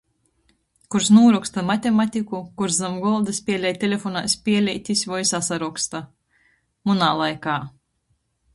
Kurs nūroksta matematiku, kurs zam golda spielej telefonā spēleitis voi sasaroksta. Munā laikā.